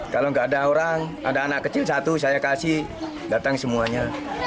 kalau nggak ada orang ada anak kecil satu saya kasih datang semuanya